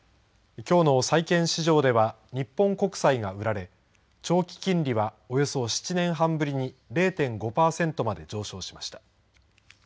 きょうの債券市場では日本国債が売られ、長期金利はおよそ７年半ぶりに０．５パーセントまで上昇しました。